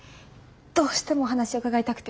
どうしてもお話を伺いたくて。